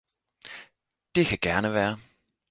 Det kan gerne være!